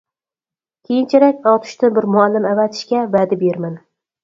كېيىنچىرەك ئاتۇشتىن بىر مۇئەللىم ئەۋەتىشكە ۋەدە بېرىمەن.